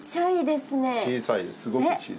すごく小さい。